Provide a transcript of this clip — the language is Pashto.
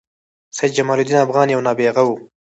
سيدجمال الدين افغان یو نابغه وه